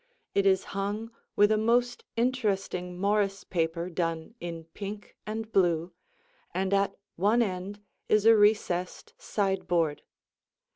It is hung with a most interesting Morris paper done in pink and blue, and at one end is a recessed sideboard.